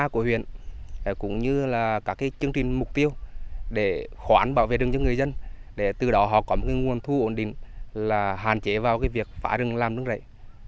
cũng như là các chương trình mục tiêu để khoản bảo vệ rừng cho người dân để từ đó họ có nguồn thu ổn định là hạn chế vào việc phá rừng làm rừng rẩy